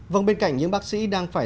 vâng bên cạnh những bác sĩ đang phải